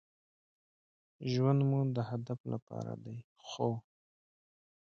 ژوند مو د هدف لپاره دی ،خو